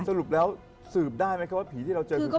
สรุปแล้วสืบได้ไหมครับว่าผีที่เราเจอคือใคร